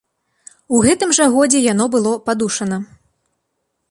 У гэтым жа годзе яно было падушана.